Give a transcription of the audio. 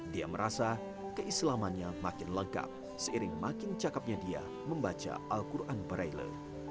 dia merasa keislamannya makin lengkap seiring makin cakepnya dia membaca al quran braille